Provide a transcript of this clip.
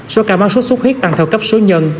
số ca mắc sốt xuất huyết tăng theo cấp số nhân